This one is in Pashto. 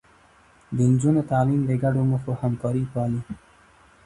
د نجونو تعليم د ګډو موخو همکاري پالي.